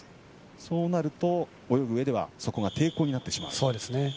そうなると泳ぐうえではそこが抵抗になってしまう。